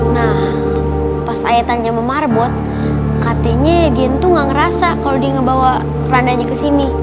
nah pas ayatannya memarbot katanya dien tuh gak ngerasa kalo dia ngebawa kerandanya kesini